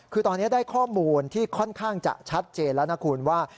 คือตอนนี้ได้ข้อมูลที่ค่อนข้างจะชัดเจนแล้วนะคุณว่า